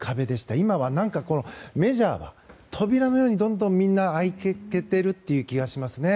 今はメジャーは扉のようにどんどんみんな開いていっている気がしますね。